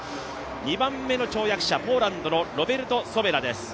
２番目の跳躍者、ポーランドのロベルト・ソベラです。